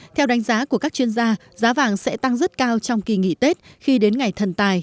theo đánh giá của các chuyên gia giá vàng sẽ tăng rất cao trong kỳ nghỉ tết khi đến ngày thần tài